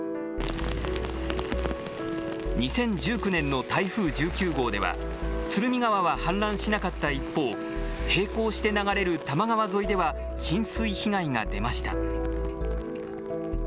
２０１９年の台風１９号では鶴見川は氾濫しなかった一方、並行して流れる多摩川沿いでは浸水被害が出ました。